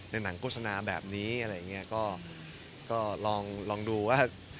ในหนังโกสนาแบบนี้อะไรอย่างเงี้ยก็ก็ลองลองดูว่า